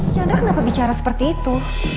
chandra kenapa bicara seperti itu